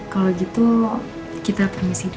kalau gitu kita permisi dulu ya